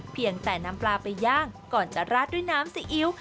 เพียงแต่นำปลาไปย่างก่อนจะราดด้วยน้ำซีอิ๊ว